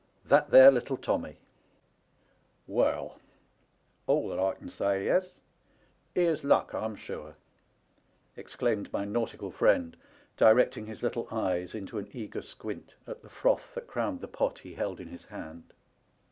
''THAT THERE LITTLE TOMMTr " Well, all that I can say is, ' Here's luck, I*m sure !''* exclaimed my nautical friend, directing his little eyes into an eager squint at the froth that crowned the pot he held in his hand.